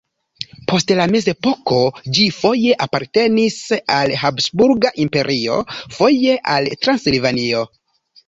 Post la mezepoko ĝi foje apartenis al Habsburga Imperio, foje al Transilvanio.